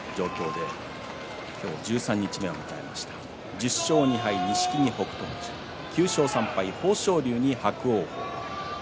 １０勝２敗、錦木と北勝富士３敗に豊昇龍と伯桜鵬。